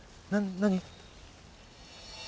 何？